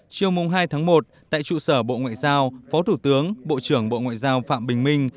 chiều hai tháng một tại trụ sở bộ ngoại giao phó thủ tướng bộ trưởng bộ ngoại giao phạm bình minh